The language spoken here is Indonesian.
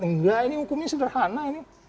enggak ini hukumnya sederhana ini